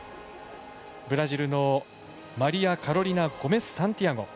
ブラジルのマリアカロリナ・ゴメスサンティアゴ。